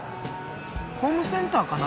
ホームセンターかな？